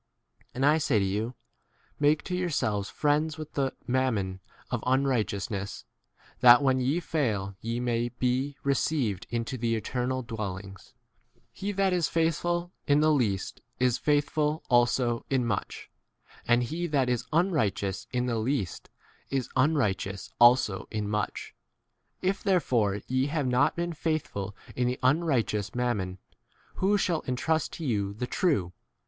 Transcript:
And I say to you, Make to yourselves friends with the mammon of un righteousness, that when ye fail ye may be received 3 into the 10 eternal dwellings. He that is faithful in the least is faithful 11 also in much ; and he that is un righteous in the least is unrigh teous also in much. If therefore ye have not been faithful in the unrighteous mammon, who shall 12 entrust to you the true